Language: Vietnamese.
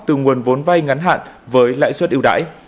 từ nguồn vốn vay ngắn hạn với lãi suất yêu đãi